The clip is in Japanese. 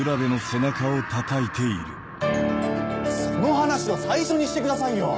その話を最初にしてくださいよ！